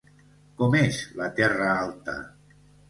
Com és la Terra alta?